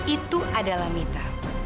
itu adalah mita